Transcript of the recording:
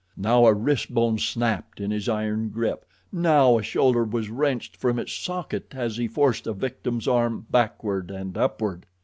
Now a wrist bone snapped in his iron grip, now a shoulder was wrenched from its socket as he forced a victim's arm backward and upward.